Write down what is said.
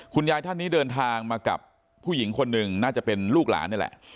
ท่านนี้เดินทางมากับผู้หญิงคนหนึ่งน่าจะเป็นลูกหลานนี่แหละ